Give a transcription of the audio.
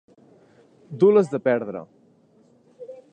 Dur les de perdre.